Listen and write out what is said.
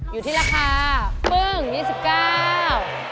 อยู่ที่ราคา๒๙บาท